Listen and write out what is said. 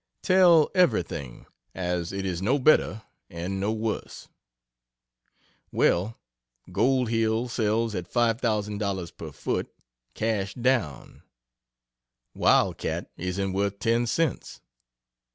"Tell everything as it is no better, and no worse." Well, "Gold Hill" sells at $5,000 per foot, cash down; "Wild cat" isn't worth ten cents.